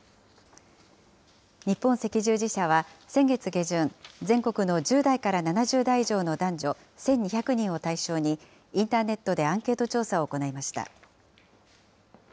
日本赤十字社は先月下旬、全国の１０代から７０代以上の男女１２００人を対象にインターネットでアンケート調査を行いました。